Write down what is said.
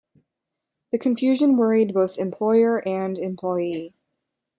The confusion worried both employer and employee.